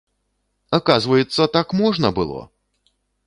Аказваецца, так можна было!